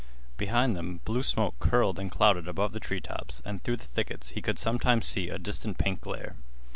Behind them blue smoke curled and clouded above the treetops, and through the thickets he could sometimes see a distant pink glare.